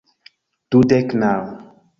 Dudek naŭ